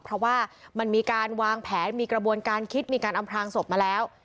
เพราะว่ามันมีการวางแผนมีกระบวนการคิดมีการอำพลางศพมาแล้ว